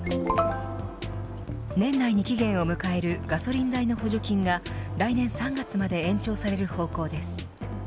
年内に期限を迎えるガソリン代の補助金が来年３月まで延長される方向です。